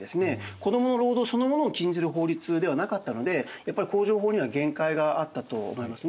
子どもの労働そのものを禁じる法律ではなかったのでやっぱり工場法には限界があったと思いますね。